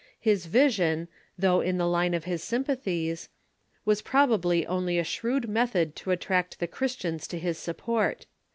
His vision, though in the line of his sympathies, w^as probably only a shrewd method to attract the Christians to his support.